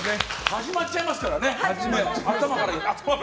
始まっちゃいますからね。